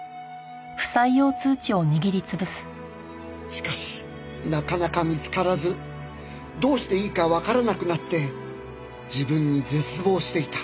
「しかしなかなか見つからずどうしていいかわからなくなって自分に絶望していた」